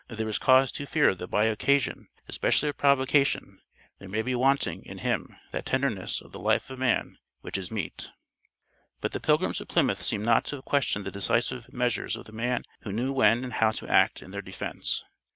There is cause to fear that by occasion, especially of provocation, there may be wanting (in him) that tenderness of the life of man which is meet." But the Pilgrims of Plymouth seem not to have questioned the decisive measures of the man who knew when and how to act in their defence.